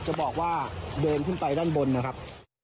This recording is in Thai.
จะบอกว่าเดินขึ้นไปด้านบนนะครับ